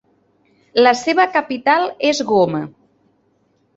La seva capital és Goma.